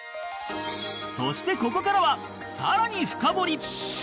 そしてここからは更に深掘り